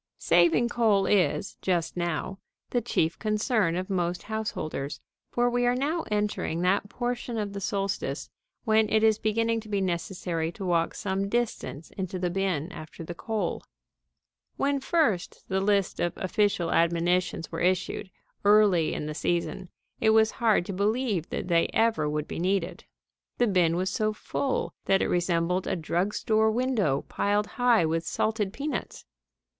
Saving coal is, just now, the chief concern of most householders, for we are now entering that portion of the solstice when it is beginning to be necessary to walk some distance into the bin after the coal. When first the list of official admonitions were issued, early in the season, it was hard to believe that they ever would be needed. The bin was so full that it resembled a drug store window piled high with salted peanuts.